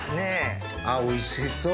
あっおいしそう。